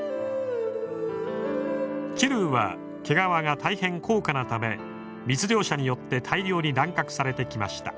チルーは毛皮が大変高価なため密猟者によって大量に乱獲されてきました。